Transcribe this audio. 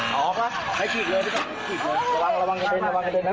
หลังข้านิดหนึ่งหลังข้าระวังข้าระวังข้าระวังข้า